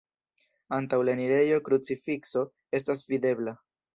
Antaŭ la enirejo krucifikso estas videbla.